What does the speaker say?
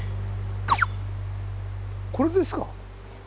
これですか？